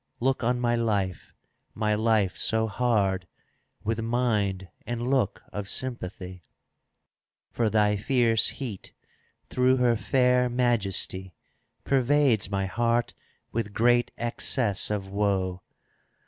Look on my life, my life so hard, with mind ^ And look of sympathy; For thy fierce heat, through her fair majesty, Pervades my heart with great excess of woe.